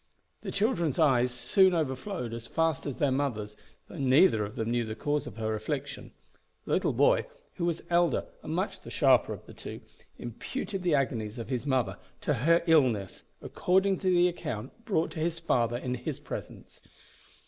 The children's eyes soon overflowed as fast as their mother's, though neither of them knew the cause of her affliction. The little boy, who was the elder and much the sharper of the two, imputed the agonies of his mother to her illness, according to the account brought to his father in his presence.